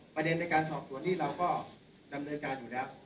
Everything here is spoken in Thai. ในการสอบสวนนี้เราก็ดำเนินการอยู่แล้ว